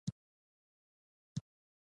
نړیوالې موسسې تخمونه ورکوي.